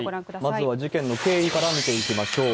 まずは事件の経緯から見ていきましょう。